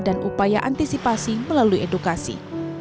dan upaya antisipasi melalui edukasi